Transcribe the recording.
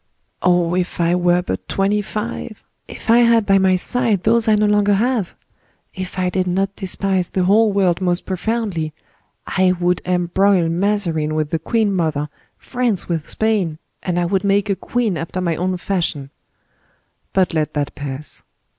Oh, if I were but twenty five! If I had by my side those I no longer have! If I did not despise the whole world most profoundly, I would embroil Mazarin with the queen mother, France with Spain, and I would make a queen after my own fashion. But let that pass."